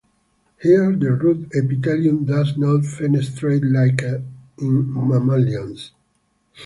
Here the root epithelium does not fenestrate like in mammalians.